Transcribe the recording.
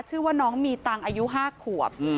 ชื่อว่าน้องมีตังค์อายุ๕ขวบ